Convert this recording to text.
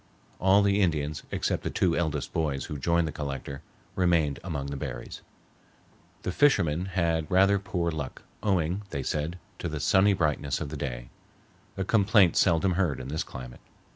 All the Indians except the two eldest boys who joined the Collector, remained among the berries. The fishermen had rather poor luck, owing, they said, to the sunny brightness of the day, a complaint seldom heard in this climate.